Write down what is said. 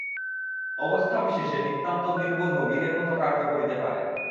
অবস্থাবিশেষে নিতান্ত নির্বোধও বীরের মত কার্য করিতে পারে।